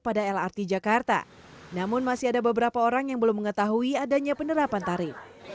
pada lrt jakarta namun masih ada beberapa orang yang belum mengetahui adanya penerapan tarif